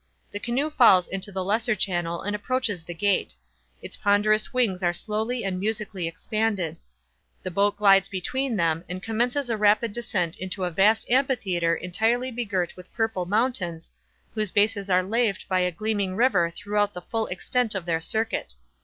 The canoe falls into the lesser channel and approaches the gate. Its ponderous wings are slowly and musically expanded. The boat glides between them, and commences a rapid descent into a vast amphitheatre entirely begirt with purple mountains, whose bases are laved by a gleaming river throughout the full extent of their circuit.